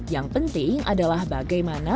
yang penting adalah bagaimana